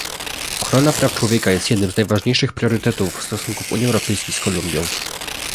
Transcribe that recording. Ochrona praw człowieka jest jednym z najważniejszych priorytetów stosunków Unii Europejskiej z Kolumbią